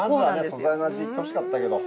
まずは素材の味いってほしかったけど。